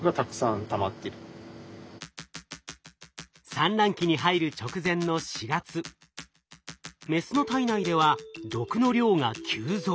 産卵期に入る直前の４月メスの体内では毒の量が急増。